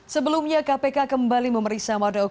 kondisi yang terjadi adalah selama dua tahun